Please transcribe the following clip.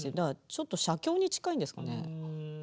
ちょっと写経に近いんですかね。